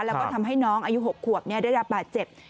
แล้วก็ทำให้น้องอายุ๖ขวบได้รับบาดเจ็บ